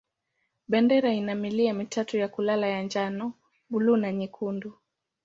Bendera ina milia mitatu ya kulala ya njano, buluu na nyekundu.